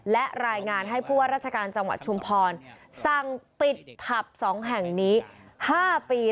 และรายงานให้ผู้ว่าราชการจังหวัดชุมพรสั่งปิดผับ๒แห่งนี้๕ปี